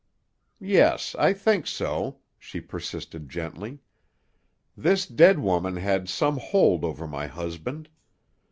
"Yes, I think so," she persisted gently. "This dead woman had some hold over my husband.